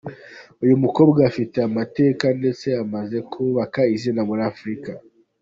Uyu mukobwa afite amateka ndetse amaze kubaka izina muri Afurika.